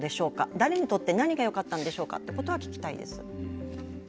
誰にとって何がよかったんでしょうかということは聞きたいです。